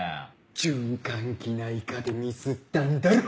循環器内科でミスったんだろ？